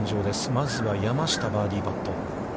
まずは山下のバーディーパット。